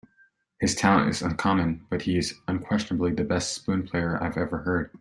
His talent is uncommon, but he is unquestionably the best spoon player I've ever heard.